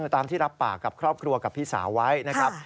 ตามที่รับปากกับครอบครัวกับพี่สาวไว้นะครับ